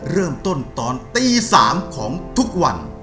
เริ่มต้นตอนตี๓ของทุกวัน